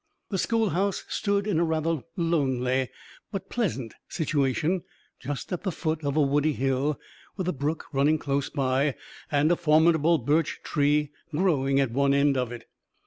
The schoolhouse stood in a rather lonely but pleasant situation, just at the foot of a woody hill, with a brook running close by and a formidable birch tree growing at one end of it.